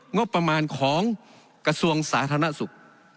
งบประมาณของกระทรวงสาธารณสุข